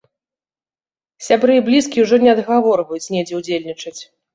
Сябры і блізкія ўжо не адгаворваюць недзе ўдзельнічаць.